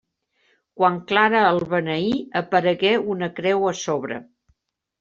Quan Clara el beneí, aparegué una creu a sobre.